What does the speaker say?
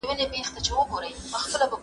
ولې د ټولنیزو حقایقو پټول مه کوې؟